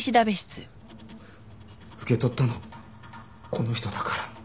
受け取ったのこの人だから。